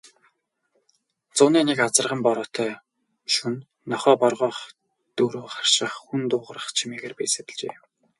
Зуны нэг азарган бороотой шөнө нохой боргоох, дөрөө харших, хүн дуугарах чимээгээр би сэржээ.